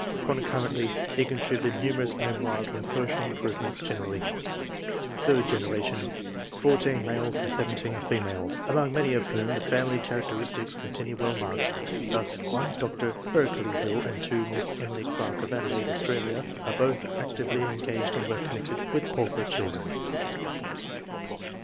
Concurrently, he contributed numerous memoirs on social improve ments generally. Third generation. — 14 males and 17 females, among many of whom th^ family characteristics continue well marked. Thus (1) Dr. Berkeley HiU, and {2) Miss Emily Clark of Adelaide, Australia, are both actively engaged in work connected with pauper children.